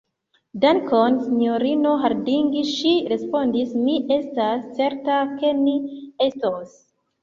Dankon, sinjorino Harding, ŝi respondis, mi estas certa, ke ni estos.